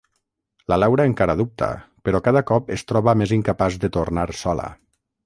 La Laura encara dubta, però cada cop es troba més incapaç de tornar sola.